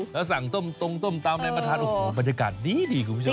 แล้วสั่งส้มตรงส้มตามาทานบรรยากาศดีดีคุณผู้ชม